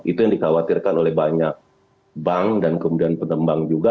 itu yang dikhawatirkan oleh banyak bank dan kemudian pengembang juga